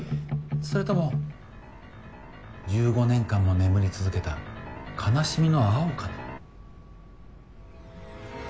それとも１５年間も眠り続けた「悲しみ」の青かな？